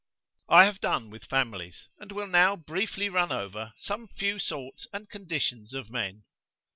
I have done with families, and will now briefly run over some few sorts and conditions of men.